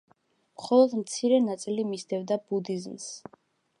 მხოლოდ მცირე ნაწილი მისდევდა ბუდიზმს.